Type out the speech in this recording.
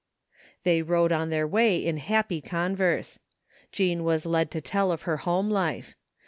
'' They rode on their way in happy converse. Jean was led to tell of her home life.